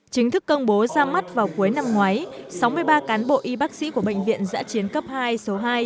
chính thức công bố ra mắt vào cuối năm ngoái sáu mươi ba cán bộ y bác sĩ của bệnh viện giã chiến cấp hai số hai